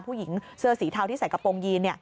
ถึงเสื้อสีเทาที่ใส่กระโปรงยีนเนี่ย